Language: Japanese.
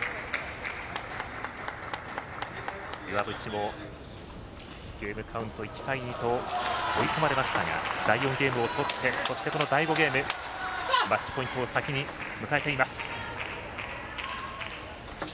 岩渕も、ゲームカウント１対２と追い込まれましたが第４ゲームをとってそして第５ゲームマッチポイントを先に迎えています。